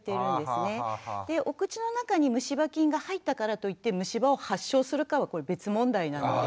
お口の中にむし歯菌が入ったからといってむし歯を発症するかは別問題なので。